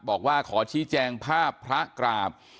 บอกว่าขอชี้แจงภาพพระกราบ